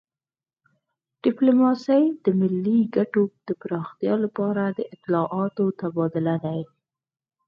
ډیپلوماسي د ملي ګټو د پراختیا لپاره د اطلاعاتو تبادله ده